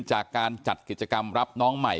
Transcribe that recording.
จากการจัดกิจกรรมรับน้องใหม่